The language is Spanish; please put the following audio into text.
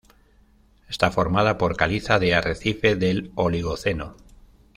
Está formada por caliza de arrecife del Oligoceno.